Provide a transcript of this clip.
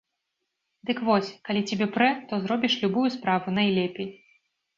Дык вось, калі цябе прэ, то зробіш любую справу найлепей!